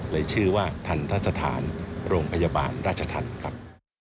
ชื่อว่าทันทสถานโรงพยาบาลราชธรรมครับ